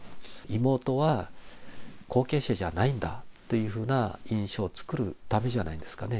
妹は後継者じゃないんだというふうな印象を作るためじゃないですかね。